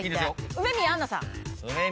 梅宮アンナさん。